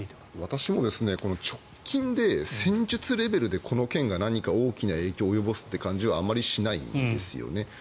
私も直近で戦術レベルで、この件が何か大きな影響を及ぼすって感じはしないんですよね。